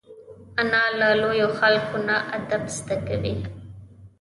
انا له لویو خلکو نه ادب زده کوي